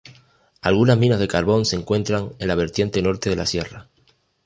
Algunas minas de carbón se encuentran en la vertiente norte de la sierra.